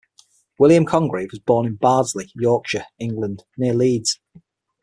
William Congreve was born in Bardsey, Yorkshire, England near Leeds.